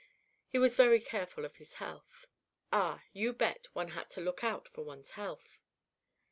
He was very careful of his health. Ah, you bet, one had to look out for one's health.